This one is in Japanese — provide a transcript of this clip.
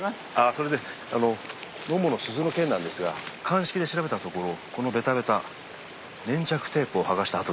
それでモモの鈴の件なんですが鑑識で調べたところこのべたべた粘着テープを剥がした跡でした。